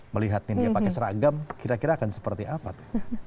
melihat ini dia pakai seragam kira kira akan seperti apa tuh